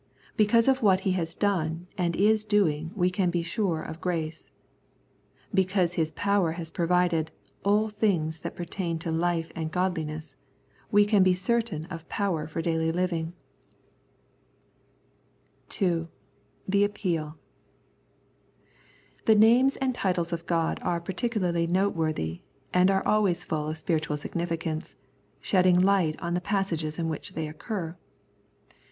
Because of what He has done and is doing we can be sure of grace. Because His power has provided " all things that pertain to life and godliness " we can be certain of power for daily living. 93 The Prayers of St. Paul 2. The Appeal. The names and titles of God are par ticularly noteworthy and are always full of spiritual significance, shedding light on the passages in which they occur.